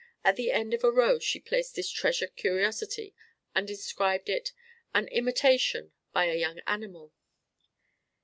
At the end of a row she placed this treasured curiosity, and inscribed it, "An Imitation by a Young Animal."